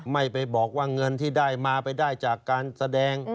ไม่ไปบอกว่าเงินที่ได้มาไปได้จากการแสดง